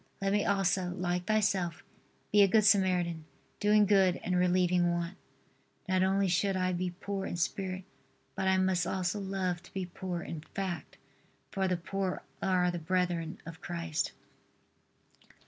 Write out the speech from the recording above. Let me also, like Thyself, be a good Samaritan, doing good and relieving want. Not only should I be poor in spirit, but I must also love to be poor in fact, for the poor are the brethren of Christ.